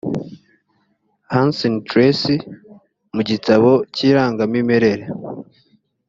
hansen tracy mu gitabo cy irangamimerere